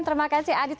terima kasih adit